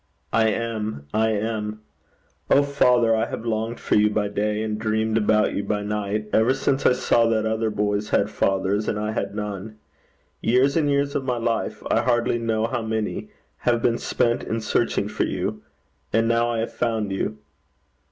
'I am. I am. Oh, father, I have longed for you by day, and dreamed about you by night, ever since I saw that other boys had fathers, and I had none. Years and years of my life I hardly know how many have been spent in searching for you. And now I have found you!'